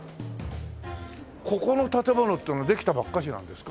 ここの建物っていうのはできたばっかしなんですか？